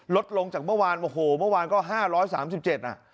ลดลงจากเมื่อวานโอ้โหเมื่อวานก็ห้าร้อยสามสิบเจ็ดอ่ะ